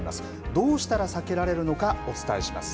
どうしたら避けられるのかお伝えします。